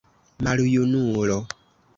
maljunulo